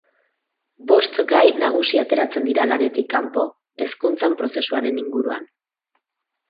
Bost gai nagusi ateratzen dira lanetik kanpo, Hezkuntza Prozesuaren inguruan.